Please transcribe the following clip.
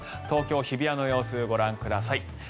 東京・日比谷の様子ご覧ください。